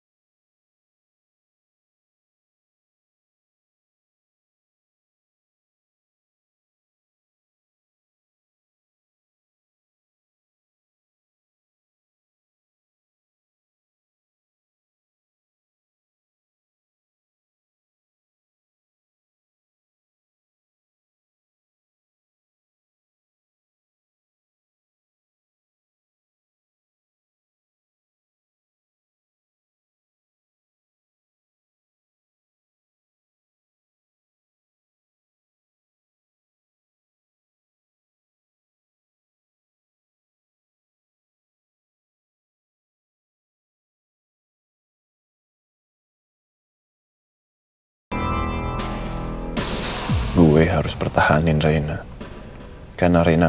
terus ibu jawab apa